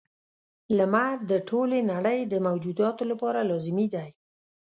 • لمر د ټولې نړۍ د موجوداتو لپاره لازمي دی.